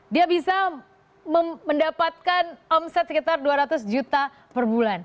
dia bisa mendapatkan omset sekitar dua ratus juta